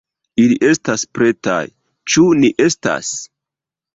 Ili estas pretaj, ĉu ni estas?